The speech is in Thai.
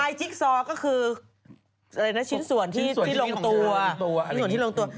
มายจิ๊กซอร์ก็คือชิ้นส่วนที่ลงตัวชิ้นส่วนที่ลงตัว